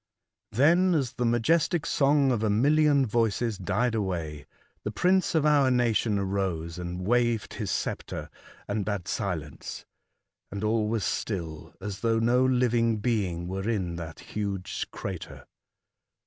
Then, as the majestic song of a million voices died away, the prince of our nation arose and waved his sceptre, and bade silence, and all was still as though no living being were in that huge crater.